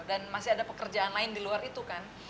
dan masih ada pekerjaan lain di luar itu kan